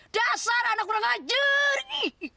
dasar anak berangkat jerik